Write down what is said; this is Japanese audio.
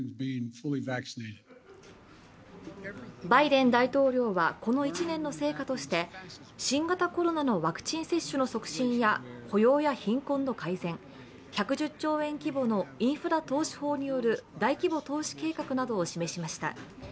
バイデン大統領はこの１年の成果として新型コロナのワクチン接種の促進や雇用や貧困の改善１１０兆円規模のインフラ投資法による大規模投資計画などを示しました。